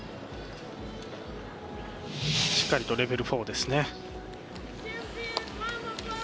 しっかりとレベル４ですね。